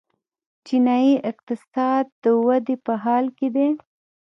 چینايي اقتصاد د ودې په حال کې دی.